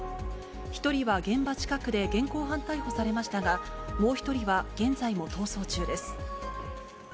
１人は現場近くで現行犯逮捕されましたが、もう１人は現在も逃走中です。